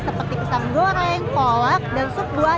seperti pisang goreng kolak dan sup buah